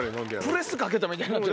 プレスかけたみたいになってた。